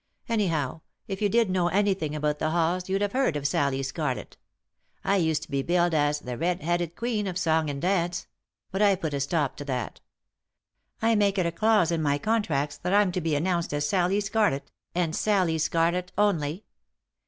Anyhow, if you did know anything about the halls you'd have heard of Sallie Scarlett. I used to be billed as ' The Red Headed. Queen of Song and Dance '; but I've put a stop to that I make it a clause in my contracts that I'm to be announced as 'Sallie Scarlett,' and 'Sallie Scarlett' only.